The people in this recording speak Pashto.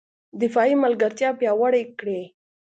دفاعي ملګرتیا پیاوړې کړي